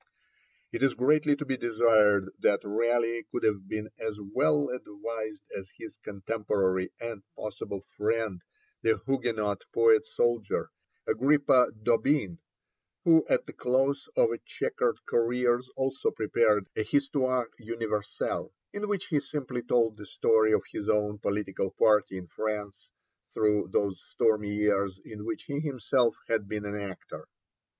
It is greatly to be desired that Raleigh could have been as well advised as his contemporary and possible friend, the Huguenot poet soldier, Agrippa d'Aubigné, who at the close of a chequered career also prepared a Histoire Universelle, in which he simply told the story of his own political party in France through those stormy years in which he himself had been an actor.